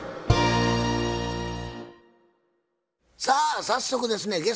さあ早速ですね